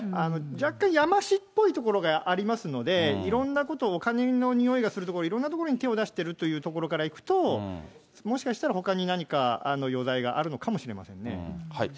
若干やましいっぽいところがありますので、いろんなこと、お金のにおいがするところ、手を出しているというところからいくと、もしかしたらほかに何か余罪があるのかもしれませんね。